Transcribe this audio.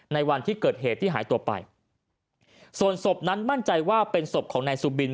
ในวันที่เกิดเหตุที่หายตัวไปส่วนศพนั้นมั่นใจว่าเป็นศพของนายสุบิน